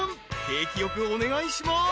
景気よくお願いします］